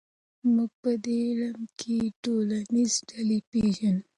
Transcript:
موږ په دې علم کې ټولنیزې ډلې پېژنو.